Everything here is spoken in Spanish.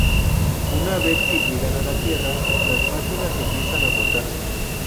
Una vez que llegan a la Tierra, las máquinas empiezan a montarse.